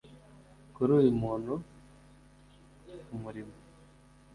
Kuri uyu muntu umurimo